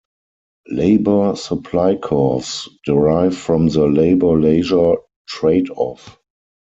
Labour supply curves derive from the 'labour-leisure' trade-off.